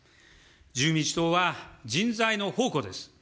自由民主党は人材の宝庫です。